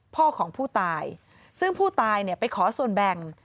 พ่อของผู้ตายซึ่งผู้ตายเนี่ยไปขอส่วนแบ่ง